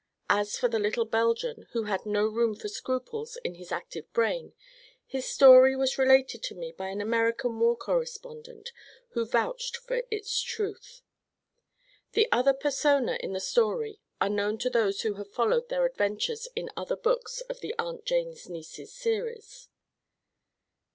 As for the little Belgian who had no room for scruples in his active brain, his story was related to me by an American war correspondent who vouched for its truth. The other persona in the story are known to those who have followed their adventures in other books of the "Aunt Jane's Nieces" series.